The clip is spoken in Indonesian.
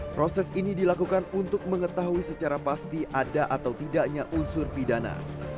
proses ini dilakukan untuk mengetahui secara pasti ada atau tidaknya unsur pidana